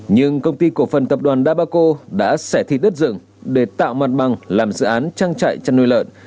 nhưng công ty cổ phần tập đoàn dabaco đã xẻ thi đất rừng để tạo mặt bằng làm dự án trang trại chăn nuôi lợn